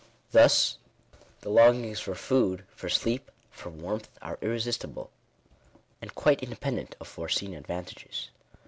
Thus, the longings for food, for sleep, for warmth, are irresistible; and quite independent of foreseen advantages.